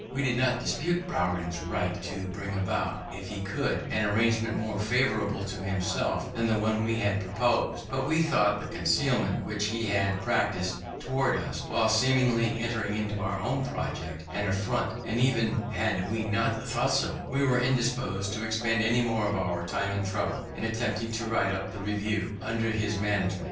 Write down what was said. We did not dispute Bowring's right to bring about, if he could, an arrangement more favourable to himself than the one we had proposed; but we thought the concealment which he had practised towards us, while seemingly entering into our own project, an affront: and even had we not thought so, we were indisposed to expend any more of our time and trouble in attempting to write up the Review under his management.